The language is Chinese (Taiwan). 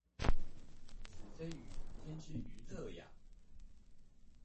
子非魚焉知魚樂呀